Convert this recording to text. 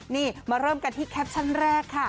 นี่มาเริ่มกันที่แคปชั่นแรกค่ะ